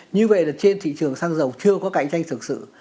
như vậy là trên thị trường xăng dầu chưa có cạnh tranh thực sự